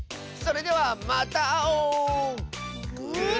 それではまたあおう！